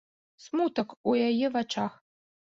Смутак у яе вачах.